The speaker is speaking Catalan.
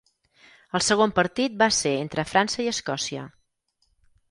El segon partit va ser entre França i Escòcia.